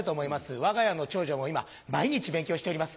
わが家の長女も今毎日勉強しております。